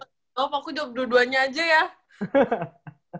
tolong aku jawab dua duanya aja ya